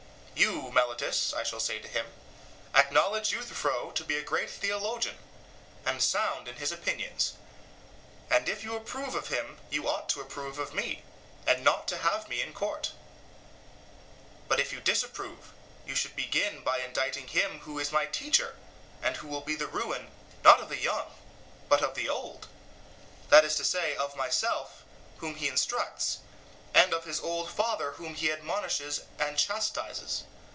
You, Meletus, as I shall say to him, acknowledge Euthyphro to be a great theologian, and sound in his opinions; and if you approve of him you ought to approve of me, and not have me into court; but if you disapprove, you should begin by indicting him who is my teacher, and who will be the ruin, not of the young, but of the old; that is to say, of myself whom he instructs, and of his old father whom he admonishes and chastises.